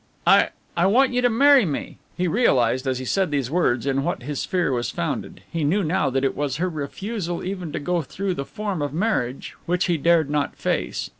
"I I want you to marry me." He realized as he said these words in what his fear was founded. He knew now that it was her refusal even to go through the form of marriage which he dared not face.